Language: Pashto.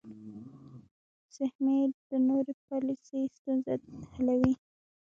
سهمیې او نورې پالیسۍ ستونزه حلوي.